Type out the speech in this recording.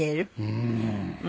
うん。